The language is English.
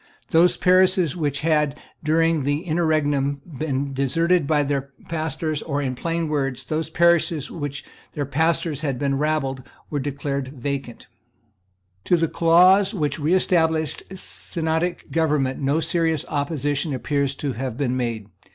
Those parishes which had, during the interregnum, been deserted by their pastors, or, in plain words, those parishes of which the pastors had been rabbled, were declared vacant, To the clause which reestablished synodical government no serious opposition appears to have been made.